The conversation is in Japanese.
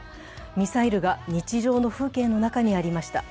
ミサイルが日常の風景の中にありました。